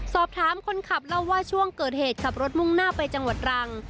สอบถามคนขับเล่าว่าช่วงเกิดเหตุขับรถมุ่งหน้าไปจังหวัดรัง